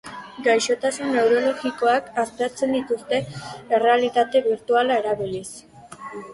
Gaixotasun neurologikoak aztertzen dituzte errealitate birtuala erabiliz.